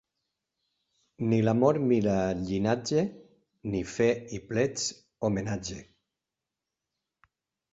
Ni l'amor mira llinatge, ni fe i plets homenatge.